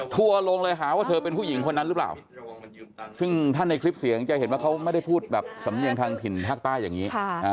ทัวร์ลงเลยหาว่าเธอเป็นผู้หญิงคนนั้นหรือเปล่าซึ่งถ้าในคลิปเสียงจะเห็นว่าเขาไม่ได้พูดแบบสำเนียงทางถิ่นภาคใต้อย่างนี้